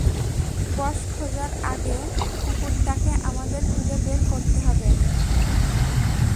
বস খোঁজার আগে কুকুরটাকে আমাদের খুঁজে বের করতে হবে।